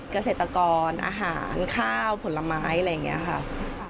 เกษตรกรอาหารข้าวผลไม้อะไรอย่างนี้ค่ะ